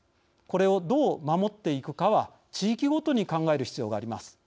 これをどう守っていくかは地域ごとに考える必要があります。